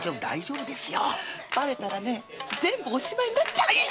バレたらね全部おしまいになっちゃうんだよ！